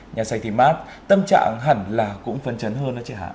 nhà sạch thì mát tâm trạng hẳn là cũng phấn chấn hơn đó chứ hả